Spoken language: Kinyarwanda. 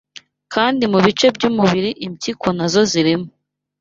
kandi mu bice by’umubiri impyiko na zo zirimo